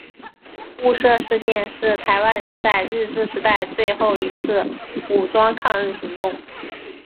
雾社事件是台湾人在日治时代最后一次武装抗日行动。